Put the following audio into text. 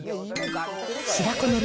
白子のり